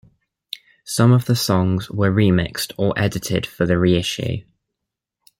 Some of the songs were remixed or edited for the reissue.